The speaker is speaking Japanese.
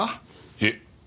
いえ。